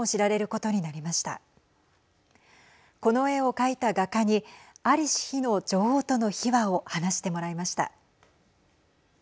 この絵を描いた画家に在りし日の女王との秘話を話してもらいました。